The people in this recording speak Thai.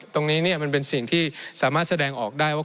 ตรงนี้มันเป็นสิ่งที่สามารถแสดงออกได้ว่า